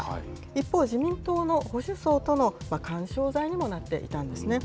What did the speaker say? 一方、自民党の保守層との緩衝材にもなっていたんですね。